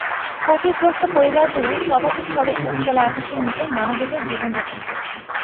ক্ষতিগ্রস্ত পরিবারগুলোর শতাধিক সদস্য খোলা আকাশের নিচে মানবেতর জীবন যাপন করছে।